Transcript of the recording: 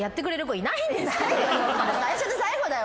最初で最後だよ。